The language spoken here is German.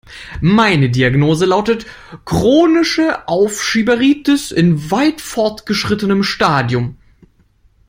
Meine Diagnose lautet chronische Aufschieberitis in weit fortgeschrittenem Stadium.